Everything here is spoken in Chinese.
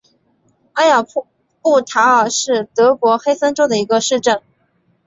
埃尔布塔尔是德国黑森州的一个市镇。